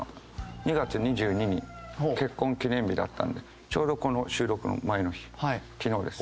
２月２２に結婚記念日だったんでちょうどこの収録の前の日昨日です。